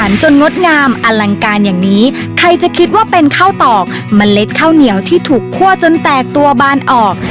จนงดงามอลังการอย่างนี้ใครจะคิดว่าเป็นข้าวตอกเมล็ดข้าวเหนียวที่ถูกคั่วจนแตกตัวบานออก